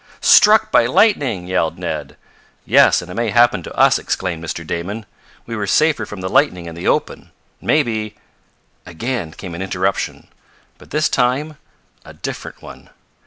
"Struck by lightning!" yelled Ned. "Yes; and it may happen to us!" exclaimed Mr. Damon. "We were safer from the lightning in the open. Maybe " Again came an interruption, but this time a different one.